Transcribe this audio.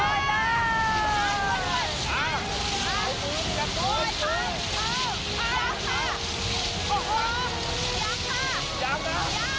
ยินดีด้วยค่ะ